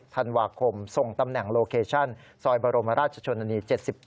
ธันวาคมส่งตำแหน่งโลเคชั่นซอยบรมราชชนนานี๗๗